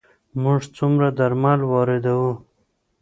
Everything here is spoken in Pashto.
موږ څومره درمل واردوو؟